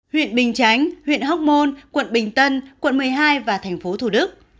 huyện bình chánh huyện hóc môn quận bình tân quận một mươi hai và thành phố thủ đức